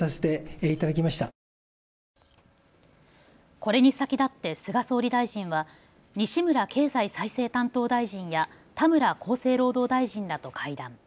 これに先立って菅総理大臣は西村経済再生担当大臣や田村厚生労働大臣らと会談。